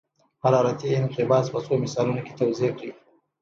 حرارتي انقباض په څو مثالونو کې توضیح کړئ.